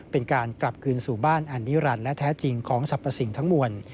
เป็นการกลับคืนสู่บ้านอันนิรันดิ์และแท้จริงของสรรพสิ่งทั้งมวล